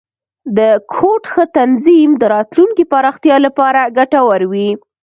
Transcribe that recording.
د کوډ ښه تنظیم، د راتلونکي پراختیا لپاره ګټور وي.